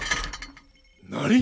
何！？